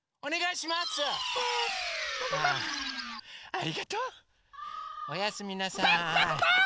ありがとう！おやすみなさい。